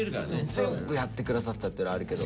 全部やって下さったっていうのあるけど。